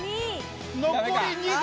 残り２分！